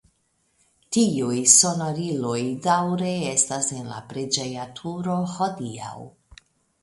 Tiuj sonoriloj daŭre estas en la preĝeja turo hodiaŭ.